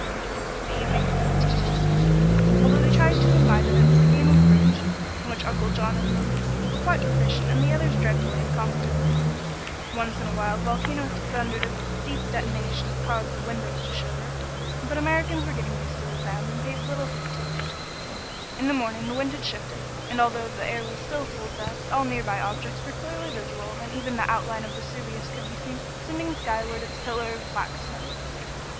The evening was a tedious one, although they tried to enliven it with a game of bridge, in which Uncle John and Louise were quite proficient and the others dreadfully incompetent. Once in a while the volcano thundered a deep detonation that caused the windows to shiver, but the Americans were getting used to the sound and paid little heed to it. In the morning the wind had shifted, and although the air was still full of dust all near by objects were clearly visible and even the outline of Vesuvius could be seen sending skyward its pillar of black smoke.